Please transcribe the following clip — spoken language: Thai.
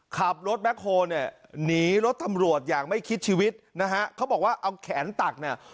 ขับรถแบ็คโฮลเนี่ยหนีรถตำรวจอย่างไม่คิดชีวิตนะฮะเขาบอกว่าเอาแขนตักเนี่ย